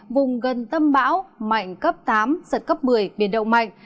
vùng gần tâm bão mạnh cấp tám giật cấp một mươi biển động mạnh